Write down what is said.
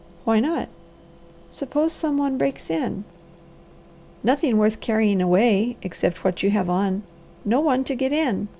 "Why not?" "Suppose some one breaks in!" "Nothing worth carrying away, except what you have on. No one to get in.